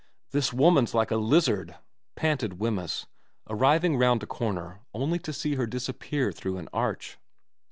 * This woman's like a lizard,' panted Wemyss, arriv ing round a corner only to see her disappear through an arch.